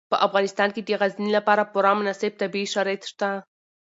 په افغانستان کې د غزني لپاره پوره مناسب طبیعي شرایط شته.